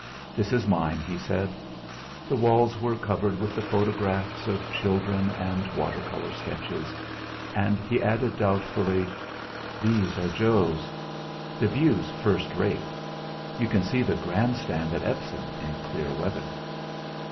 "This is mine," he said. The walls were covered with the photographs of children and watercolour sketches, and he added doubtfully: "These are Jo's. The view's first rate. You can see the Grand Stand at Epsom in clear weather."